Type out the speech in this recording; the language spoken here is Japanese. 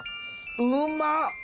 うまっ！